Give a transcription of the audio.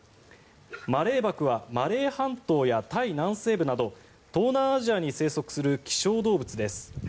マレーバクはマレー半島やタイ南西部など東南アジアに生息する希少動物です。